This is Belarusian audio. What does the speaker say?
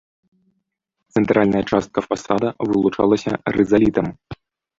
Цэнтральная частка фасада вылучалася рызалітам.